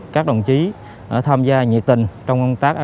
các đồng chí tham gia nhiệt tình trong công tác